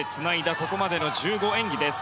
ここまでの１５演技です。